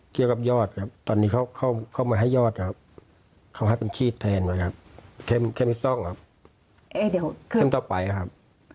เกี่ยวกับยอดครับตอนนี้เขาเข้ามาให้ยอดครับเขาให้เป็นขีดแทนนะครับแค่นี้ซ่องครับเส้นต่อไปครับ